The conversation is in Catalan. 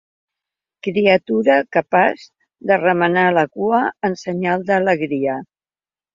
Criatura capaç de remenar la cua en senyal d'alegria.